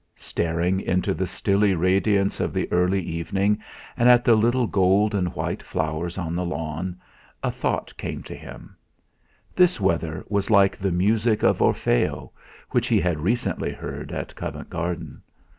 Staring into the stilly radiance of the early evening and at the little gold and white flowers on the lawn, a thought came to him: This weather was like the music of 'Orfeo,' which he had recently heard at Covent Garden.